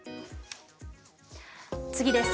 次です。